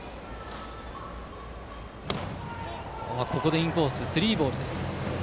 インコース、スリーボール。